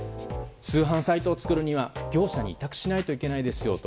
通販サイトを作るには業者に委託しないといけないですよと。